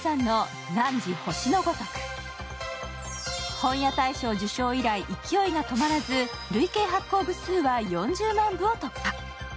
本屋大賞受賞以来、勢いが止まらず、累計発行部数は４０万部を突破。